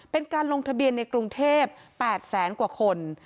เป็นการลงทะเบียนในกรุงเทพ๘แสนกว่าคน